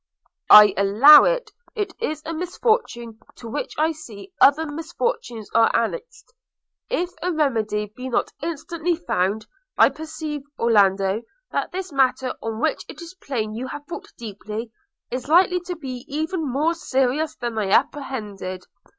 'I allow it. It is a misfortune to which I see other misfortunes are annexed, if a remedy be not instantly found. I perceive, Orlando, that this matter, on which it is plain you have thought deeply, is likely to be even more serious than I apprehended.